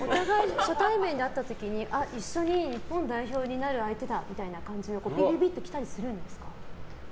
初対面で会った時に一緒に日本代表になる相手だみたいな感じビビビッてきたりするんですか？